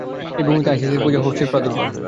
এই ভূমিতে আইসিসের পূজা, হোরসের প্রাদুর্ভাব।